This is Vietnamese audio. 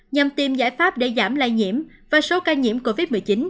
nhằm tìm giải pháp để giảm lây nhiễm và số ca nhiễm covid một mươi chín